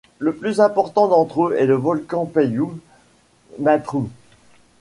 Le plus important d'entre eux est le volcan Payún Matrú.